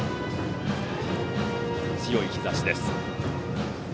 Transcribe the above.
強い日ざしです。